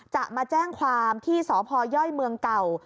จะมาแจ้งความที่สพย่อยเมืองเก่า